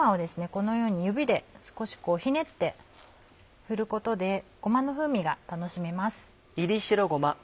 このように指で少しひねって振ることでごまの風味が楽しめます。